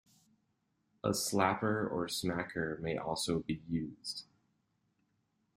A slapper or smacker may also be used.